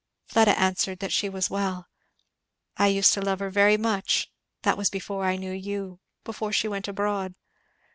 Fleda answered that she was well. "I used to love her very much that was before I knew you before she went abroad.